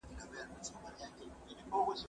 زه به سبا د ښوونځی لپاره امادګي نيسم وم!